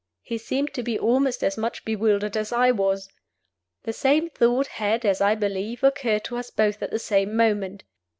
He seemed to be almost as much bewildered as I was. The same thought had, as I believe, occurred to us both at the same moment.